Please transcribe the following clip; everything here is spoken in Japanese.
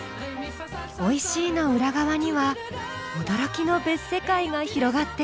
おいしいの裏側には驚きの別世界が広がっていました。